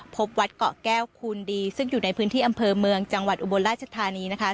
พบวัดเกาะแก้วคูณดีซึ่งอยู่ในพื้นที่อำเภอเมืองจังหวัดอุบลราชธานีนะคะ